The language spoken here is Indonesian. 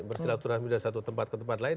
bersilaturahmi dari satu tempat ke tempat lain